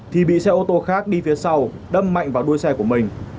thì bị xe ô tô khác đi phía sau đâm mạnh vào đuôi xe của mình